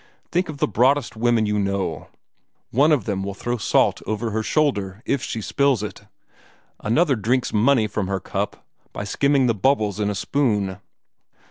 Think of the broadest women you know. One of them will throw salt over her shoulder if she spills it. Another drinks money from her cup by skimming the bubbles in a spoon.